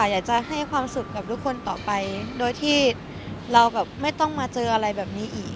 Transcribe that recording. อยากจะให้ความสุขกับทุกคนต่อไปโดยที่เราแบบไม่ต้องมาเจออะไรแบบนี้อีก